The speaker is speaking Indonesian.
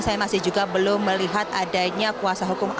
saya masih juga belum melihat adanya kuasa hukum